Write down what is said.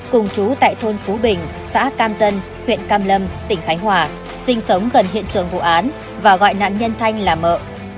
cùng chú tại thôn phú bình xã cam tân huyện cam lâm tỉnh khánh hòa sinh sống gần hiện trường vụ án và gọi nạn nhân thanh là mợ